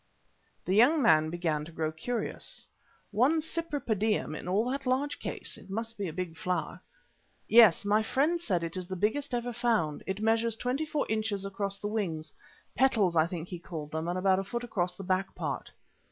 The young man began to grow curious. "One Cypripedium in all that large case? It must be a big flower." "Yes, my friend said it is the biggest ever found. It measures twenty four inches across the wings, petals I think he called them, and about a foot across the back part."